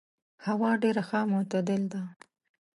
هوا ډېر ښه او معتدل ده.